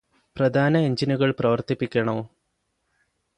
പ്രധാന എന്ജിനുകള് പ്രവര്ത്തിപ്പിക്കണോ